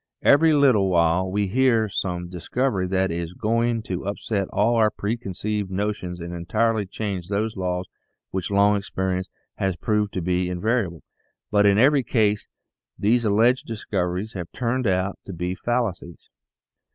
Every little while we hear of some discovery that is going to upset all our pre conceived notions and entirely change those laws which long experience has proved to be invariable, but in every case these alleged discoveries have turned out to be fallacies.